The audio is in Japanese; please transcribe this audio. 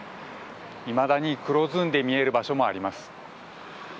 いまだに黒ずんで見える場所もあります。